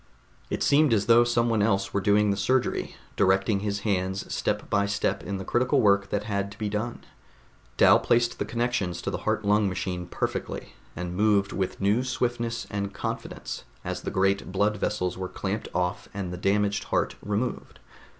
It seemed as though someone else were doing the surgery, directing his hands step by step in the critical work that had to be done. Dal placed the connections to the heart lung machine perfectly, and moved with new swiftness and confidence as the great blood vessels were clamped off and the damaged heart removed.